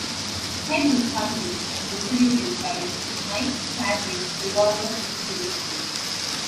Head was funded and distributed by Mike Chadwick's Revolver Distribution.